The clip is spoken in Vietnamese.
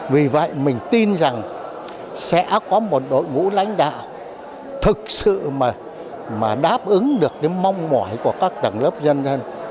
vì vậy mình tin rằng sẽ có một đội ngũ lãnh đạo thực sự mà đáp ứng được cái mong mỏi của các tầng lớp dân dân